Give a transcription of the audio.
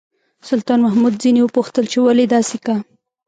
سلطان محمود ځنې وپوښتل چې ولې داسې کا.